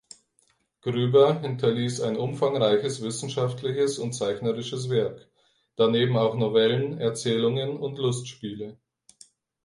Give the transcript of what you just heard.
Grueber hinterließ ein umfangreiches wissenschaftliches und zeichnerisches Werk, daneben auch Novellen, Erzählungen und Lustspiele.